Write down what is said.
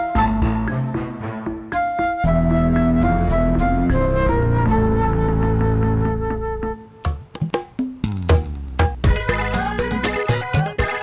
sampai jumpa di video selanjutnya